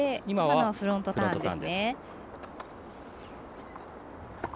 フロントターンです。